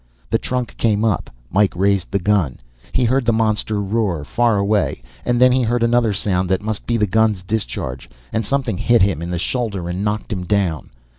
The trunk came up. Mike raised the gun. He heard the monster roar, far away, and then he heard another sound that must be the gun's discharge, and something hit him in the shoulder and knocked him down.